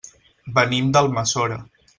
Venim d'Almassora.